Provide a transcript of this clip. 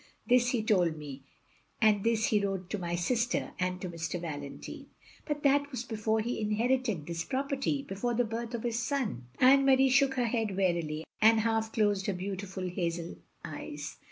This he told me, and this he wrote to my sister, and to Mr. Valentine. " "But that was before he inherited this pro perty — ^before the birth of his son " Ann^Marie shook her head wearily, and half closed her beautiful hazel eyes.